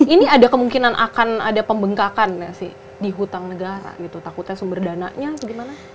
ini ada kemungkinan akan ada pembengkakan nggak sih di hutang negara gitu takutnya sumber dananya atau gimana